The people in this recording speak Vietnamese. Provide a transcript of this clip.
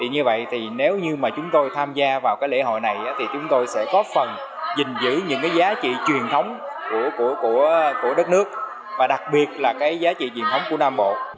như vậy nếu như chúng tôi tham gia vào lễ hội này chúng tôi sẽ có phần giữ những giá trị truyền thống của đất nước và đặc biệt là giá trị truyền thống của nam bộ